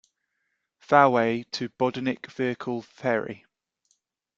Fowey to Bodinnick Vehicle Ferry.